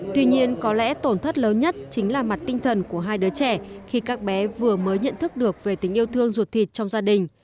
tuy nhiên có lẽ tổn thất lớn nhất chính là mặt tinh thần của hai đứa trẻ khi các bé vừa mới nhận thức được về tình yêu thương ruột thịt trong gia đình